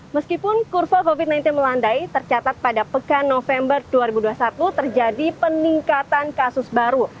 meskipun kurva covid sembilan belas melandai tercatat pada pekan november dua ribu dua puluh satu terjadi peningkatan kasus baru